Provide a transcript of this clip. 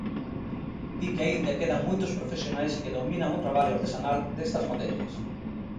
Di que aínda quedan moitos profesionais que dominan o traballo artesanal destas materias.